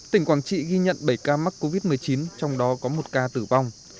tỉnh quảng trị ghi nhận bảy ca mắc covid một mươi chín trong đó có một ca tử vong